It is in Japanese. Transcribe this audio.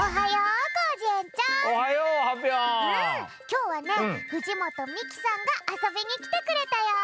きょうはね藤本美貴さんがあそびにきてくれたよ！